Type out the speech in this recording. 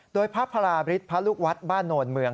โดยพระพระราบริษฐ์พระลูกวัดบ้านโนนเมือง